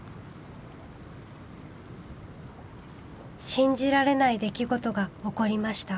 信じられない出来事が起こりました。